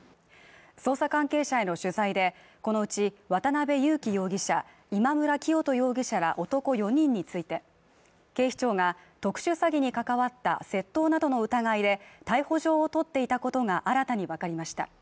捜査関係者への取材でこのうち渡辺優樹容疑者、今村磨人容疑者ら男４人について警視庁が特殊詐欺に関わった窃盗などの疑いで逮捕状を取っていたことが新たに分かりました。